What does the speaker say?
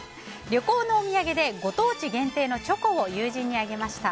旅行のお土産でご当地限定のチョコを友人にあげました。